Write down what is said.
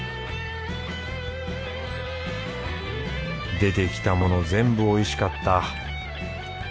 出てきたもの全部おいしかった。